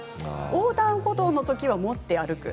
横断歩道のときは持って歩く。